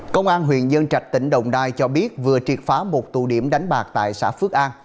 công an huyện dân trạch tỉnh đồng đai cho biết vừa triệt phá một tù điểm đánh bạc tại xã phước an